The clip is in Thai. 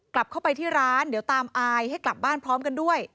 กลับเข้าไปที่ร้านเดี๋ยวตามอายให้กลับบ้านพร้อมกันด้วย